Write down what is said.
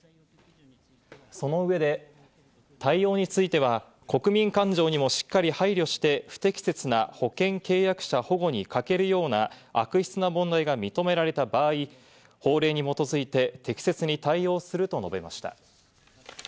その上で、対応については国民感情にもしっかり配慮して不適切な保険契約者保護に欠けるような悪質な問題が認められた場合、法令に基づいて適切に対応すると述べました。